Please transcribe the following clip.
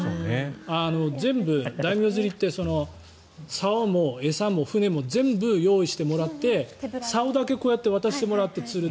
全部、大名釣りってさおも餌も船も全部、用意してもらってさおだけ渡してもらって釣る。